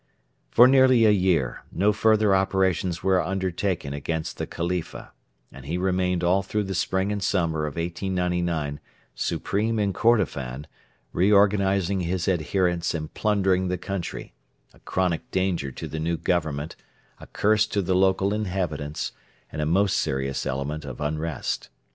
For nearly a year no further operations were undertaken against the Khalifa, and he remained all through the spring and summer of 1899 supreme in Kordofan, reorganising his adherents and plundering the country a chronic danger to the new Government, a curse to the local inhabitants, and a most serious element of unrest.